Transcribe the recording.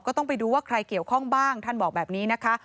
ต้องไปดูว่าใครเกี่ยวข้องบ้างท่านบอกแบบนี้นะคะ